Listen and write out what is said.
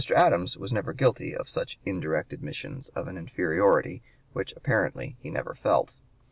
Adams was never guilty of such indirect admissions of an inferiority which apparently he never felt.